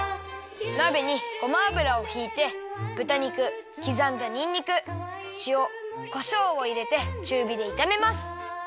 なべにごま油をひいてぶた肉きざんだにんにくしおこしょうをいれてちゅうびでいためます